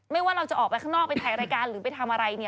ว่าเราจะออกไปข้างนอกไปถ่ายรายการหรือไปทำอะไรเนี่ย